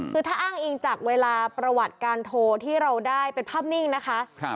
คือถ้าอ้างอิงจากเวลาประวัติการโทรที่เราได้เป็นภาพนิ่งนะคะ